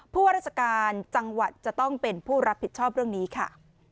ผู้ว่าราชการจังหวัดจะต้องเป็นผู้รับผิดชอบเรื่องนี้ค่ะ